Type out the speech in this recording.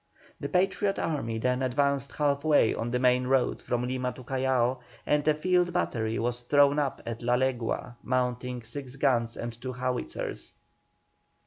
The Patriot army then advanced half way on the main road from Lima to Callao, and a field battery was thrown up at La Legua, mounting six guns and two howitzers.